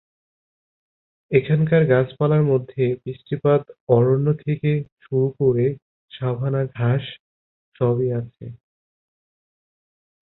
এখানকার গাছপালার মধ্যে বৃষ্টিপাত অরণ্য থেকে শুরু করে সাভানা ঘাস সবই আছে।